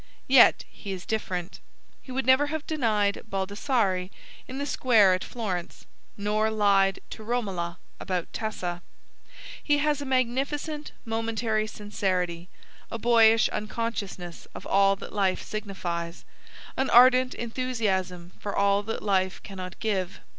Yet he is different. He would never have denied Baldassare in the Square at Florence, nor lied to Romola about Tessa. He has a magnificent, momentary sincerity, a boyish unconsciousness of all that life signifies, an ardent enthusiasm for all that life cannot give.